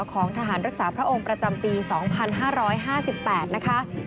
ของทหารรักษาพระองค์ประจำปี๒๕๕๘นะคะ